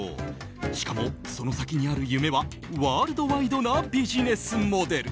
しかも、その先にある夢はワールドワイドなビジネスモデル。